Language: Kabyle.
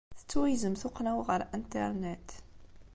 Tettwagzem tuqqna-w ɣer Internet.